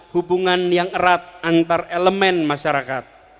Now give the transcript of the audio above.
hubungan yang erat antar elemen masyarakat